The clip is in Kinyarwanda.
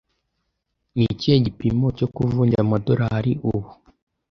Ni ikihe gipimo cyo kuvunja amadorari ubu?